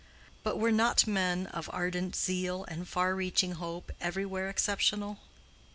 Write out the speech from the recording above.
But were not men of ardent zeal and far reaching hope everywhere exceptional?